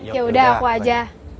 ya udah aku aja